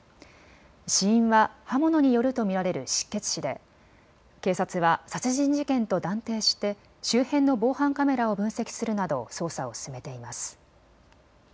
死因は刃物によると見られる失血死で警察は殺人事件と断定して周辺の防犯カメラを分析するなど捜査を進めています。